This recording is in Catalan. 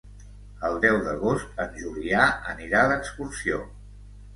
El deu d'agost en Julià anirà d'excursió.